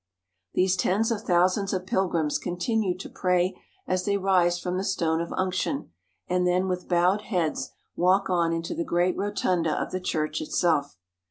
These tens of thousands of pilgrims continue to pray as they rise from the Stone of Unction, and then with bowed heads walk on into the great rotunda of the church itself.